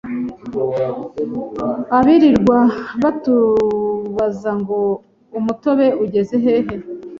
abirirwa batubaza ngo umutobe ugeze hehe